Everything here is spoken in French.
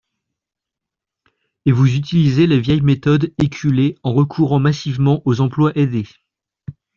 Et vous utilisez les vieilles méthodes éculées en recourant massivement aux emplois aidés.